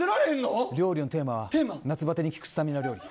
料理のテーマは夏バテに効くスタミナ料理。